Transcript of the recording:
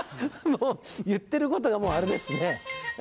もう言ってることがあれですね。